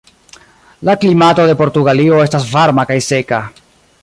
La klimato de Portugalio estas varma kaj seka.